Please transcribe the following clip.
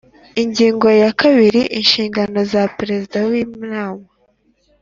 Ingingo ya kabiri Inshingano za Perezida w Inama